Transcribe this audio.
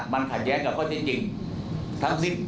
มันขัดแย้งกับข้อที่จริงทั้งสิ้น